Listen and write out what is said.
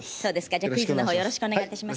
じゃあクイズの方よろしくお願い致します。